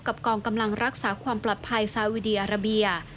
กองกำลังรักษาความปลอดภัยซาวิดีอาราเบีย